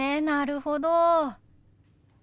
なるほど。